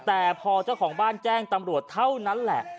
แต่พอเจ้าของบ้านแจ้งตำรวจเท่านั้นแหละ